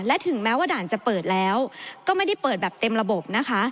และถึงแม้ว่าด่านจะเปิดแล้วก็ไม่ได้เปิดแบบเต็มระบบนะคะ